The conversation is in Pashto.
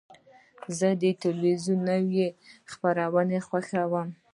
زه د تلویزیون نوی خپرونې خوښوم.